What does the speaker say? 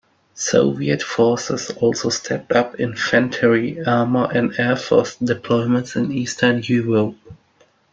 Soviet forces also stepped up infantry, armor and air force deployments in Eastern Europe.